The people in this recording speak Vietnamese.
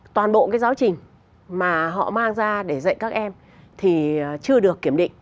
toàn bộ cái giáo trình mà họ mang ra để dạy các em thì chưa được kiểm định